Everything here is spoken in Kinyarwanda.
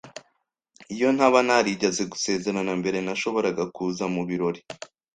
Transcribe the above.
Iyo ntaba narigeze gusezerana mbere, nashoboraga kuza mubirori.